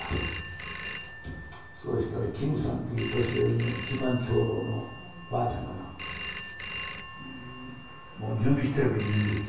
そうしたらキムさんっていう年寄りの一番長老のばあちゃんがなもう準備してるわけ準備。